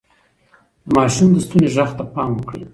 د ماشوم د ستوني غږ ته پام وکړئ.